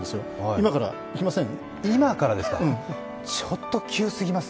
今から行きません？